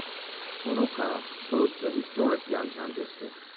Honokaa boasts a historic downtown district.